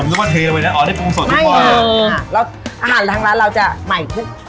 ผมนึกว่าเธออ่ะอ๋อได้ปุ้งสดค่ะไม่เอออ่าแล้วอาหารทางร้านเราจะใหม่ทุก